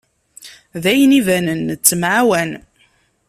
D ayen ibanen nettemɛawan.